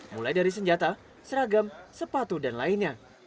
mulai dari senjata seragam sepatu dan lainnya